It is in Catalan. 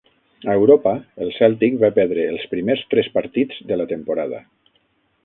A Europa, el Celtic va perdre els primers tres partits de la temporada.